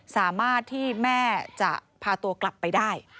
สามารถที่แม่จะพาตัวกลับไปได้